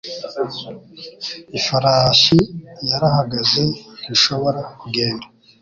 Ifarashi yarahagaze ntishobora kugenda